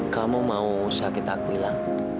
kamu mau sakit aku hilang